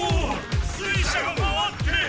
水車が回って。